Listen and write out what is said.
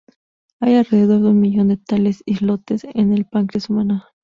Hay alrededor de un millón de tales islotes en el páncreas humano.